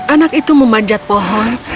anak itu memanjat pohon